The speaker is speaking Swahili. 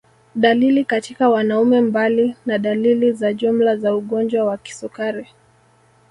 Dalili katika wanaume Mbali na dalili za jumla za ugonjwa wa kisukari